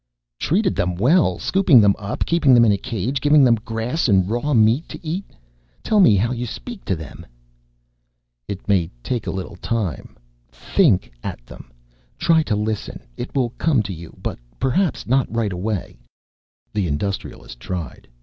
"Treated them well! Scooping them up, keeping them in a cage, giving them grass and raw meat to eat? Tell me how to speak to them." "It may take a little time. Think at them. Try to listen. It will come to you, but perhaps not right away." The Industrialist tried.